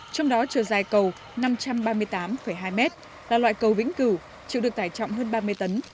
trong đó chiều dài cầu năm trăm ba mươi tám hai m là loại cầu vĩnh cửu chịu được tải trọng hơn ba mươi tấn